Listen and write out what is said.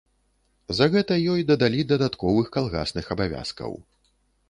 За гэта ёй дадалі дадатковых калгасных абавязкаў.